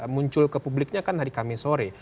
muncul ke publiknya kan hari kamis sore